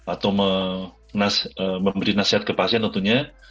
atau memberi nasihat ke pasien tentunya